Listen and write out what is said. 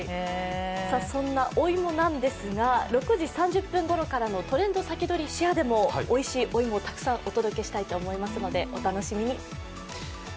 そのお芋なんですけれども６時３０分ごろからの「トレンドさきどり＃シェア」でもおいしいお芋をたくさんお届けしたいとお思いますのでお楽しみに。